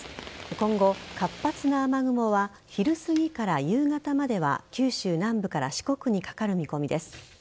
今後、活発な雨雲は昼すぎから夕方までは九州南部から四国にかかる見込みです。